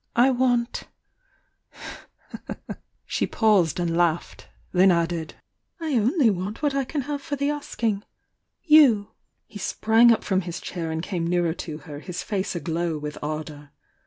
I want——" She paused and laughed— tiien added. "I only want what I can have for the aakmg you!" , i He sprang up from his chair and came nearer to her, his face aglow with ardour.